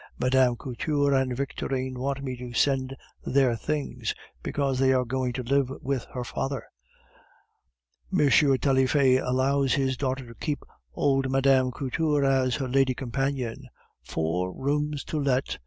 Mme. Couture and Victorine want me to send their things, because they are going to live with her father. M. Taillefer allows his daughter to keep old Mme. Couture as her lady companion. Four rooms to let!